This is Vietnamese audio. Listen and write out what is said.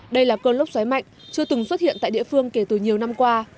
đây là cơn lốc xoáy mạnh chưa từng xuất hiện tại địa phương kể từ nhiều năm qua